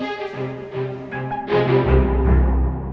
aku serem banget si ibu